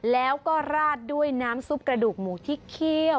แล้วก็ราดด้วยน้ำซุปกระดูกหมูที่เคี่ยว